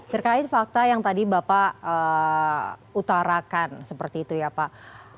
terkait fakta yang tadi bapak utarakan seperti itu ya pak